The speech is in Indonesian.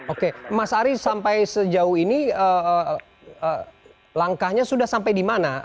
oke mas ari sampai sejauh ini langkahnya sudah sampai di mana